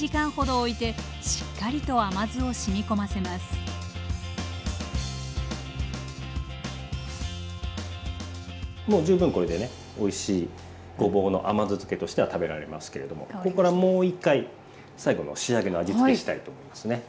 おいしいごぼうの甘酢漬けとしては食べられますけれどもこっからもう一回最後の仕上げの味付けしたいと思いますね。